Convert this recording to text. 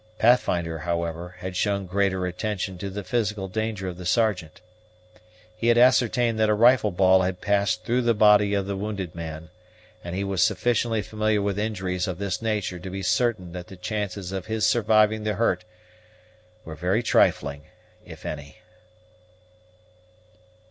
Pathfinder, however, had shown greater attention to the physical danger of the Sergeant. He had ascertained that a rifle ball had passed through the body of the wounded man; and he was sufficiently familiar with injuries of this nature to be certain that the chances of his surviving the hurt were very trifling, if any.